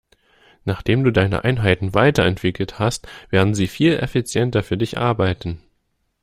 Nachdem du deine Einheiten weiterentwickelt hast, werden sie viel effizienter für dich arbeiten.